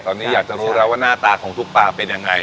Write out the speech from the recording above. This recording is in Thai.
ตอนนี้อยากจะรู้แล้วว่าหน้าตาของซุปตาเป็นยังไง